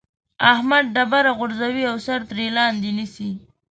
احمد ډبره غورځوي او سر ترې لاندې نيسي.